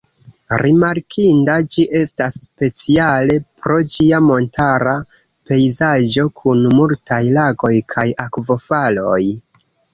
Rimarkinda ĝi estas speciale pro ĝia montara pejzaĝo kun multaj lagoj kaj akvofaloj.